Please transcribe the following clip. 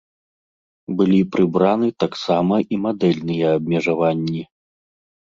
Былі прыбраны таксама і мадэльныя абмежаванні.